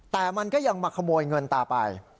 แต่มันก็ยังมาขโมยเงินตาไป